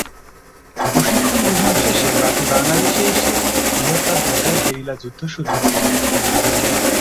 প্রশিক্ষণ গ্রহণ শেষে বাকী বাংলাদেশে এসে বৃহত্তর ঢাকায় গেরিলা যুদ্ধ শুরু করেন।